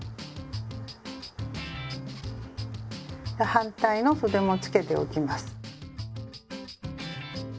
反対のそでもつけておきます。